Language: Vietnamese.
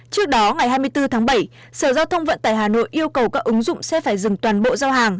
trước đó ngày hai mươi bốn tháng bảy sở giao thông vận tải hà nội yêu cầu các ứng dụng sẽ phải dừng toàn bộ giao hàng